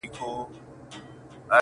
قلم د زلفو يې د هر چا زنده گي ورانوي؛